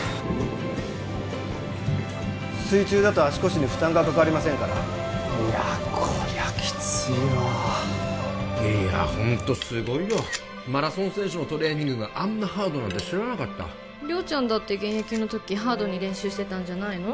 水中だと足腰に負担がかかりませんからいやこりゃきついわいやホントすごいよマラソン選手のトレーニングがあんなハードなんて知らなかった亮ちゃんだって現役の時ハードに練習してたんじゃないの？